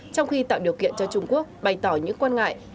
trong khi tạo điều kiện cho trung quốc bày tỏ những quan ngại